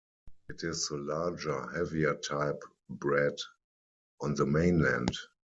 It is the larger, heavier type bred on the mainland.